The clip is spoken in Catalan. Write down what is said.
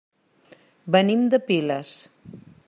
Venim de Piles.